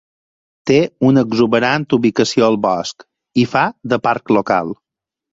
Té una exuberant ubicació al bosc, i fa de parc local.